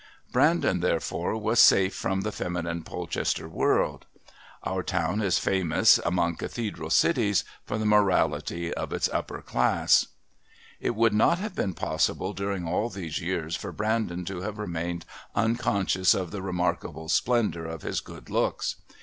Brandon therefore was safe from the feminine Polchester world; our town is famous among Cathedral cities for the morality of its upper classes. It would not have been possible during all these years for Brandon to have remained unconscious of the remarkable splendour of his good looks.